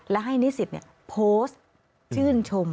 และให้นิสิตโพสต์ชื่นชม